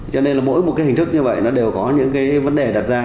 cho nên mỗi hình thức như vậy đều có những vấn đề đặt ra